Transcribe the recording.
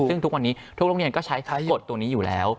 ซึ่งทุกวันนี้ทุกโรงเรียนก็ใช้กฎตัวนี้อยู่แล้ว